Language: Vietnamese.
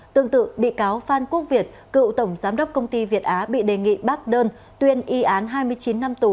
tương tự bị cáo phan quốc việt cựu tổng giám đốc công ty việt á bị đề nghị bác đơn tuyên y án hai mươi chín năm tù